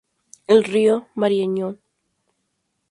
El Río Marañón.